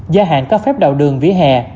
gia hạn có phép đào đường vía hè